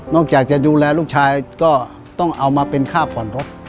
จากจะดูแลลูกชายก็ต้องเอามาเป็นค่าผ่อนรถ